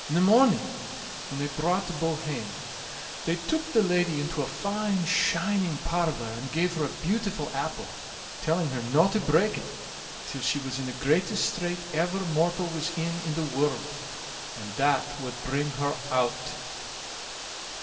In the morning, when they brought the bull hame, they took the lady into a fine shining parlor, and gave her a beautiful apple, telling her no to break it till she was in the greatest strait ever mortal was in in the world, and that wad bring her o't.